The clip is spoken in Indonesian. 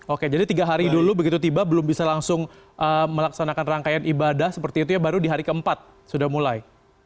oke jadi tiga hari dulu begitu tiba belum bisa langsung melaksanakan rangkaian ibadah seperti itu ya baru di hari keempat sudah mulai